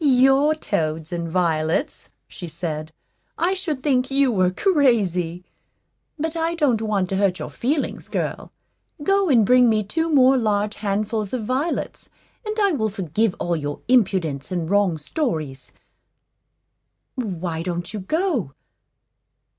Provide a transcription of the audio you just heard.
"Your toads and violets!" she said; "I should think you were crazy. But I don't want to hurt your feelings, girl. Go and bring me two more large handfuls of violets, and I will forgive all your impudence and wrong stories. Why don't you go?